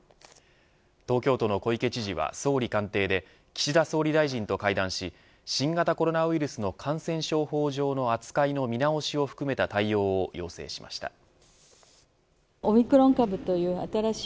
東京都の小池知事は総理官邸で岸田総理大臣と会談し新型コロナウイルスの感染症法上の扱いの見直しを含めた対応を要請しました。